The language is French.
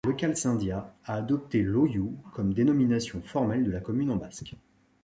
L'Euskaltzaindia a adopté Loiu comme dénomination formelle de la commune en basque.